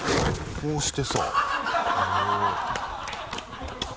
こうして。